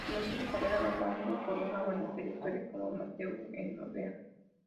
Comenzó su carrera avalado por una buena trayectoria como amateur en Orbea.